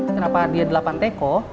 kenapa dia delapan teko